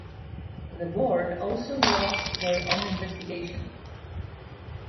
The board also launched their own investigation.